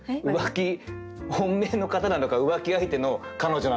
本命の方なのか浮気相手の彼女なのか。